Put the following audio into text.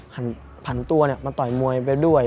ผ่านตัวเนี่ยมาต่อยมวยไปด้วย